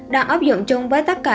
đang ấp dụng chung với tất cả